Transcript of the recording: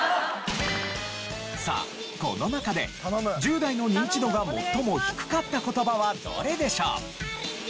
さあこの中で１０代のニンチドが最も低かった言葉はどれでしょう？